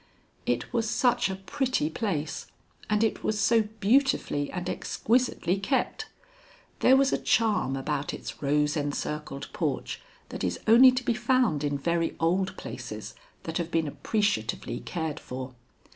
It was such a pretty place, and it was so beautifully and exquisitely kept. There was a charm about its rose encircled porch that is only to be found in very old places that have been appreciatively cared for.